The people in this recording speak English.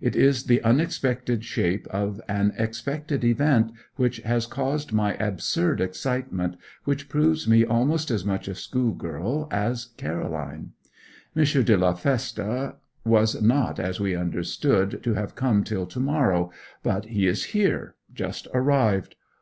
It is the unexpected shape of an expected event which has caused my absurd excitement, which proves me almost as much a school girl as Caroline. M. de la Feste was not, as we understood, to have come till to morrow; but he is here just arrived.